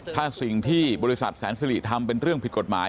ถ้าสิ่งที่บริษัทแสนสิริทำเป็นเรื่องผิดกฎหมาย